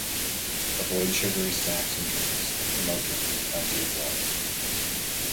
Avoid sugary snacks and drinks, and promote drinking plenty of water.